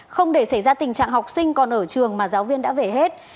không để xảy ra tình trạng học sinh còn ở trường mà giáo viên đã về hết